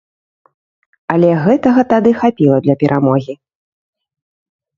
Але гэтага тады хапіла для перамогі!